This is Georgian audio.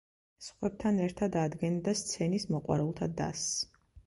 სხვებთან ერთად ადგენდა სცენის მოყვარულთა დასს.